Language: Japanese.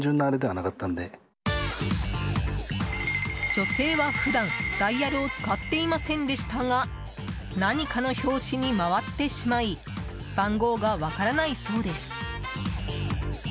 女性は普段、ダイヤルを使っていませんでしたが何かの拍子に回ってしまい番号が分からないそうです。